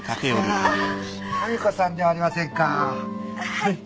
はい。